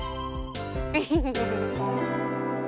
フフフフフ。